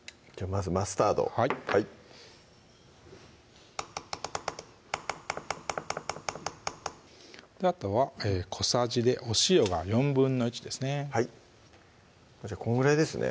まずマスタードはいあとは小さじでお塩が１／４ですねこのぐらいですね